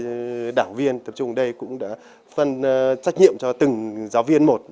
các đảng viên tập trung ở đây cũng đã phân trách nhiệm cho từng giáo viên một